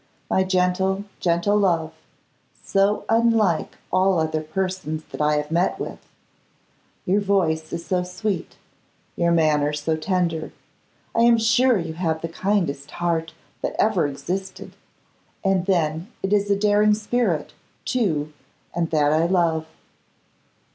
My gentle, gentle love! so unlike all other persons that I have met with! Your voice is so sweet, your manner so tender, I am sure you have the kindest heart that ever existed: and then it is a daring spirit, too, and that I love!